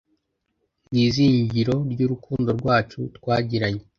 mu izingiro ry'urukundo rwacu twagiranye